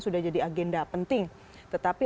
sudah jadi agenda penting tetapi